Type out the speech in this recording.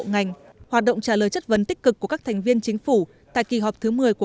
ngành hoạt động trả lời chất vấn tích cực của các thành viên chính phủ tại kỳ họp thứ một mươi của